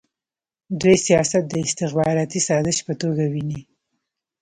دوی سیاست د استخباراتي سازش په توګه ویني.